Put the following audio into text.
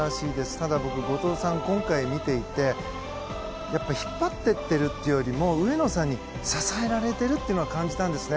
ただ、僕、後藤さん今回見ていてやっぱ引っ張っていっているというよりも上野さんに支えられていると感じたんですね。